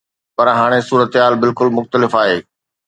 پر هاڻي صورتحال بلڪل مختلف آهي.